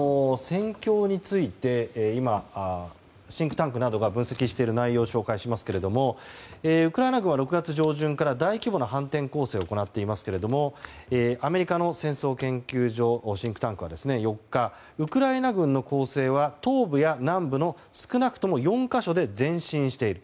戦況について今、シンクタンクなどが分析している内容を紹介しますけれどもウクライナ軍は６月上旬から大規模な反転攻勢を行っていますけどもアメリカの戦争研究所シンクタンクは４日ウクライナ軍の攻勢は東部や南部の少なくとも４か所で前進している。